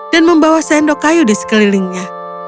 dan membawa sendok kayu di sekelilingnya